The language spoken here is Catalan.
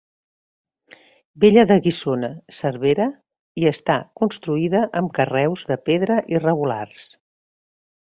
Vella de Guissona- Cervera i està construïda amb carreus de pedra irregulars.